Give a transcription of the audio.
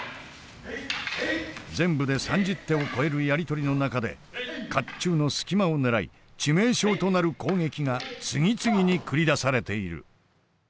全部で３０手を超えるやり取りの中で甲冑の隙間を狙い致命傷となる攻撃が次々に繰り出されている。